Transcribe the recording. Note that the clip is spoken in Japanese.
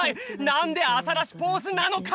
なんでアザラシポーズなのか！？